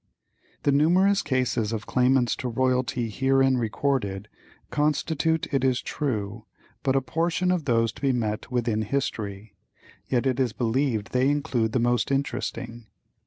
The numerous cases of claimants to royalty herein recorded constitute, it is true, but a portion of those to be met with in history, yet it is believed they include the most interesting.